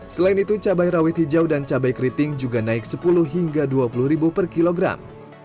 selain itu cabai rawit hijau dan cabai keriting juga naik sepuluh hingga dua puluh per kilogram